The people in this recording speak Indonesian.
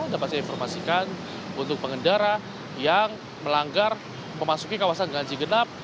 dapat saya informasikan untuk pengendara yang melanggar memasuki kawasan ganjigenap